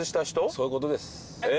そういうことですえ